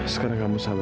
sekarang kamu sabar mila